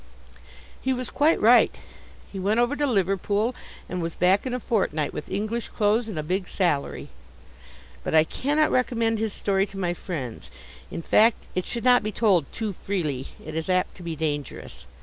He was quite right. He went over to Liverpool, and was back in a fortnight with English clothes and a big salary. But I cannot recommend his story to my friends. In fact, it should not be told too freely. It is apt to be dangerous.